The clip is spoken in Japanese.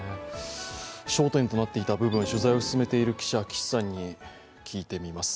焦点となっていた部分取材を進めている記者に聞いてみます。